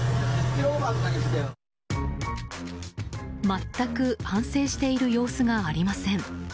全く反省している様子がありません。